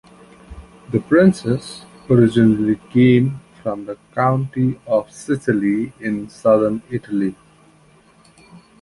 The Princes originally came from the County of Sicily in Southern Italy.